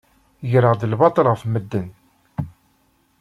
Greɣ-d lbaṭel ɣef medden.